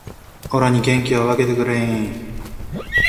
オラに元気を分けてくれー